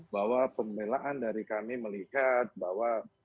bahwa pembelaan dari kami melihat bahwa barada e ini adalah